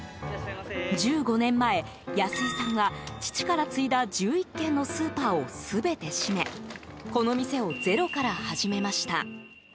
１５年前、安井さんは父から継いだ１１軒のスーパーを全て閉めこの店をゼロから始めました。